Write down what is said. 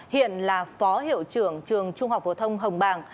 hiện là phó hiệu trưởng trường trung học phổ thông hồng bàng